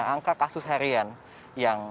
angka kasus harian yang